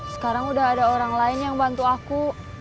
sekarang udah ada orang lain yang bantu aku